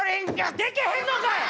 でけへんのかい！